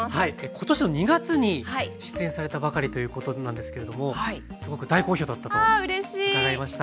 今年の２月に出演されたばかりということなんですけれどもすごく大好評だったと伺いました。